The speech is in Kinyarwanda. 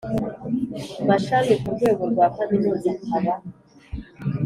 mashami ku rwego rwa Kaminuza akaba